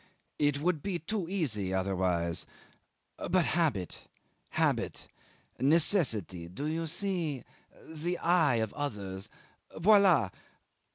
It would be too easy other vise. But habit habit necessity do you see? the eye of others voila.